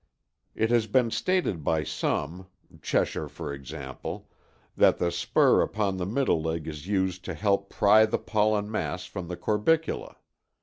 It has been stated by some (Cheshire, for example) that the spur upon the middle leg is used to help pry the pollen mass from the corbicula.